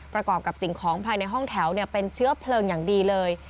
ประกอบกับสิ่งของภายในห้องแถวเป็นเชื้อเพลิงอย่างดีเลย